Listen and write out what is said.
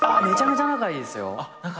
めちゃめちゃ仲いいですよ。